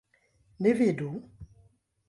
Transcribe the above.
Ni vidu?